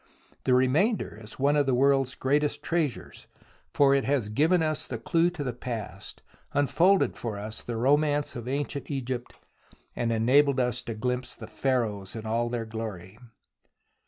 The remainder is one of the world's greatest treasures, for it has given us the clue to the past, unfolded for us the romance of ancient Egypt, and enabled us to glimpse the Pharaohs in all their glory.